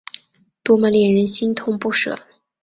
多么令人心痛不舍